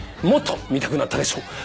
もっと見たくなったでしょ。